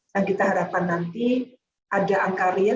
dan kita harapkan nanti ada angka real